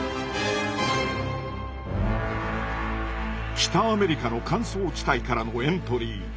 北アメリカの乾燥地帯からのエントリー！